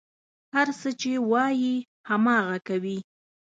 هر څه چې وايي، هماغه کوي.